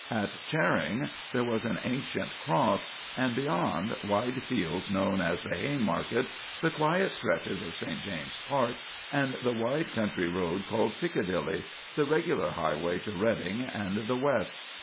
At Charing there was an ancient cross, and beyond, wide fields known as the Haymarket, the quiet stretches of St. James's Park, and the wide country road called Piccadilly, the regular highway to Reading and the west.